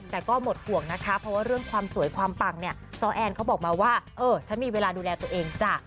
แต่ก็หมดห่วงนะคะเพราะว่าเรื่องความสวยความปังเนี่ยซ้อแอนเขาบอกมาว่าเออฉันมีเวลาดูแลตัวเองจ้ะ